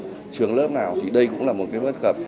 không cần phải qua trường lớp nào thì đây cũng là một bất cập